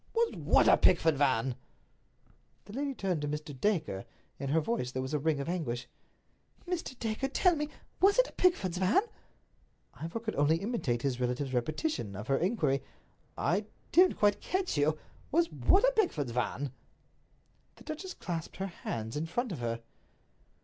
"Was what a Pickford's van?" The lady turned to Mr. Dacre. In her voice there was a ring of anguish. "Mr. Dacre, tell me, was it a Pickford's van?" Ivor could only imitate his relative's repetition of her inquiry. "I don't quite catch you—was what a Pickford's van?" The duchess clasped her hands in front of her.